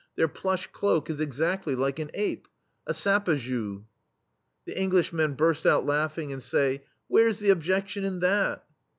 Their plush cloak is exa(5lly like an ape — a sapa jou." The Englishmen burst out laughing and say: "Where's the obje6tion in that?"